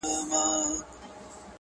هغه ورځ لکه کارګه په ځان پوهېږي-